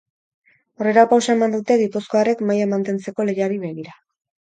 Aurrerapausoa eman dute gipuzkoarrek maila mantentzeko lehiari begira.